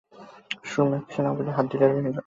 সুরমা কিছু না বলিয়া তাহার হাত ধরিয়া রহিল।